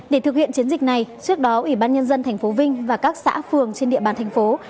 để thực hiện chiến dịch này trước đó ủy ban nhân dân thành phố vinh và các xã phường trên địa bàn thành phố